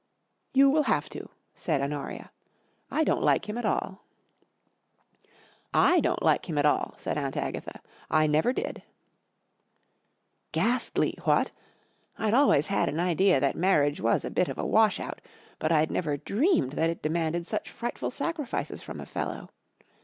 " You will have to," said Honoria. I don't like him at all." 1 " iq sa by 44 / don't like him at all," said Aunt Agatha, ,p I never did, ,r Ghastly, w hat ? 1VI always had an idea that marriage was a bit of a washout. but Rd never dreamed that it demanded such frightful sacrifices from a fellow.